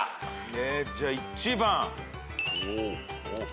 じゃあ１番。